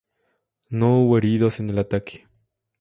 No hubo heridos en el ataque.